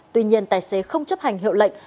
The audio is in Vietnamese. tuy nhiên tài xế không chấp hành hiệu lệnh